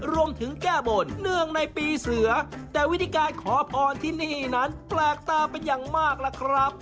รวมถึงแก้บนเนื่องในปีเสือแต่วิธีการขอพรที่นี่นั้นแปลกตาเป็นอย่างมากล่ะครับ